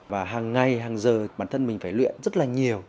và hàng ngày hàng giờ bản thân mình phải luyện rất là nhiều